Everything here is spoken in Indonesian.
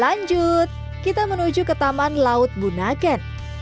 lanjut kita menuju ke taman laut bunaken